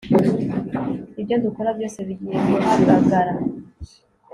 ibyo dukora byose bigiye guhagagara